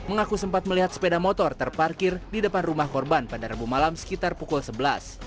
mengaku sempat melihat sepeda motor terparkir di depan rumah korban pada rabu malam sekitar pukul sebelas